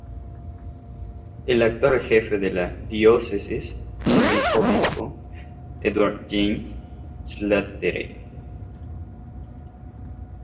El actual jefe de la Diócesis es el Obispo Edward James Slattery.